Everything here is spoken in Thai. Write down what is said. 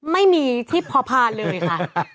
ไม่มีที่พอพานเลยค่ะ